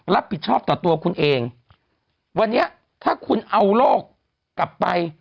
รับผิดชอบต่อตัวคุณเองวันนี้ถ้าคุณเอาโรคกลับไป